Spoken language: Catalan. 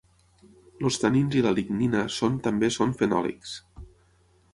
Els tanins i la lignina són també són fenòlics.